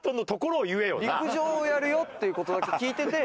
「陸上をやるよ」っていう事だけ聞いてて。